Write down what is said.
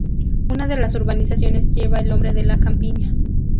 Una de las urbanizaciones lleva el nombre de La Campiña.